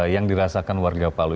yang dirasakan warga palu